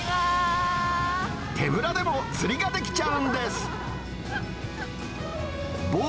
手ぶらでも釣りができちゃうんです。